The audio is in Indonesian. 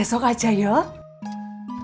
besok aja yuk